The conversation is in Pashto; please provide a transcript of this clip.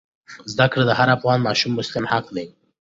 زده کړه د هر افغان ماشوم مسلم حق دی.